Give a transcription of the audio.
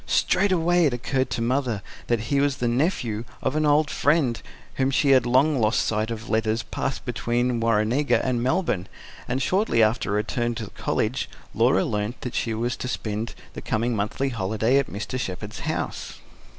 Straightway it occurred to Mother that he was the nephew of an old friend whom she had long lost sight of letters passed between Warrenega and Melbourne, and shortly after her return to the College Laura learnt that she was to spend the coming monthly holiday at Mr. Shepherd's house.